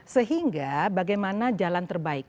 sehingga bagaimana jalan terbaik